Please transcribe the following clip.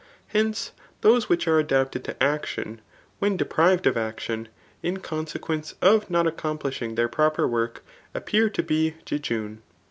Hence, those which are adapted to action, when de prived of acdon, in consequence of not accomplishing their proper work appear to be jejune.